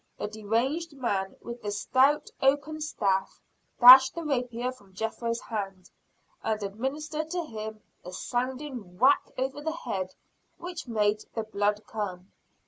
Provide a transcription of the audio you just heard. the deranged man, with the stout oaken staff, dashed the rapier from Jethro's hand, and administered to him a sounding whack over the head, which made the blood come.